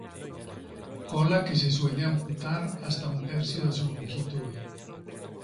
Cola que se suele amputar hasta un tercio de su longitud.